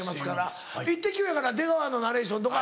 『イッテＱ！』やから出川のナレーションとか。